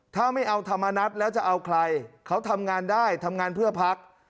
ถ้าไม่เอาธรรมนัฐแล้วจะเอาใครเขาทำงานได้ทำงานเพื่อพัก